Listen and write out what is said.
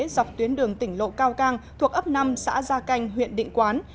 dọc tuyến đường tỉnh lộ cao cang thuộc ấp năm xã gia canh huyện định quán